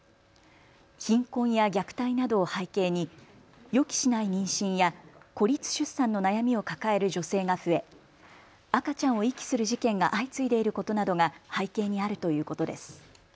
貧困や虐待などを背景に予期しない妊娠や孤立出産の悩みを抱える女性が増え赤ちゃんを遺棄する事件が相次いでいることなどが背景にあるということです。